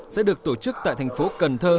sẽ được tổ chức tại thành phố cần thơ